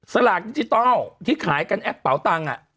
สลากดิจิทัลที่ขายกันแอปเป๋าตังค์